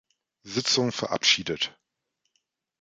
Sitzung verabschiedet.